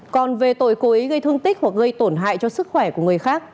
còn về tội cố ý gây thương tích hoặc gây tổn hại cho sức khỏe của người khác